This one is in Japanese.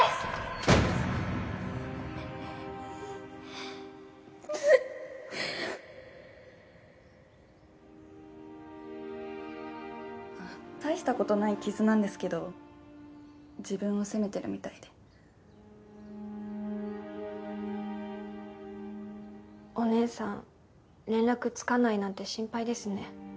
ごめんねううんごめんあっ大したことない傷なんですけど自分を責めてるみたいでお姉さん連絡つかないなんて心配ですね